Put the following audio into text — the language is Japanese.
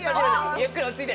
ゆっくり落ち着いて。